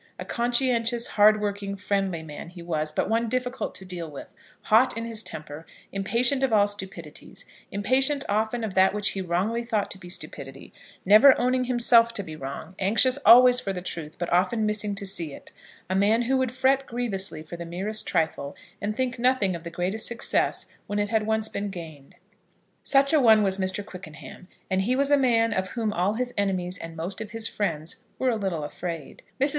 A conscientious, hard working, friendly man he was, but one difficult to deal with; hot in his temper, impatient of all stupidities, impatient often of that which he wrongly thought to be stupidity, never owning himself to be wrong, anxious always for the truth, but often missing to see it, a man who would fret grievously for the merest trifle, and think nothing of the greatest success when it had once been gained. Such a one was Mr. Quickenham; and he was a man of whom all his enemies and most of his friends were a little afraid. Mrs.